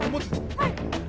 はい。